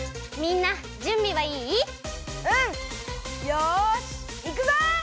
よしいくぞ！